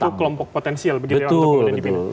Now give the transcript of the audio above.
dan itu kelompok potensial begitu ya untuk menunjukkan